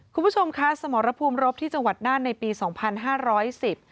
คุณผู้ชมคะสมรภูมิรบที่จังหวัดน่านในปีสองพันห้าร้อยสิบ